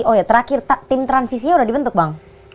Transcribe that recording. oh ya terakhir tim transisinya sudah dibentuk bang